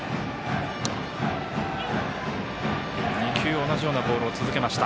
２球同じようなボールを続けました。